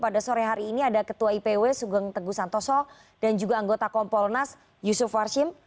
pada sore hari ini ada ketua ipw sugeng teguh santoso dan juga anggota kompolnas yusuf warshim